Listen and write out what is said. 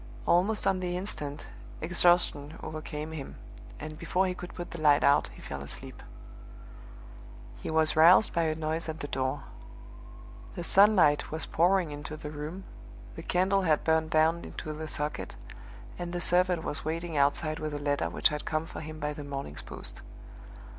Almost on the instant, exhaustion overcame him, and before he could put the light out he fell asleep. He was roused by a noise at the door. The sunlight was pouring into the room, the candle had burned down into the socket, and the servant was waiting outside with a letter which had come for him by the morning's post.